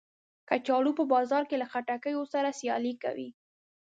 کچالو په بازار کې له خټکیو سره سیالي کوي